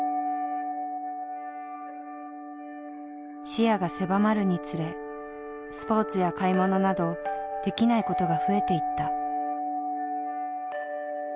視野が狭まるにつれスポーツや買い物などできないことが増えていった。